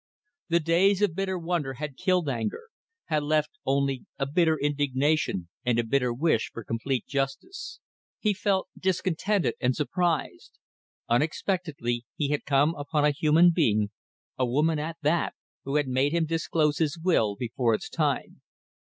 The days of bitter wonder had killed anger; had left only a bitter indignation and a bitter wish for complete justice. He felt discontented and surprised. Unexpectedly he had come upon a human being a woman at that who had made him disclose his will before its time.